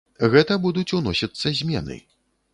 Гэта будуць уносіцца змены.